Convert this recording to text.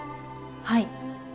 はい。